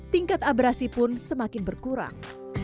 tingkat abrasi pun semakin berkurang